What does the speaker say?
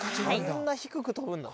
あんな低く飛ぶんだ。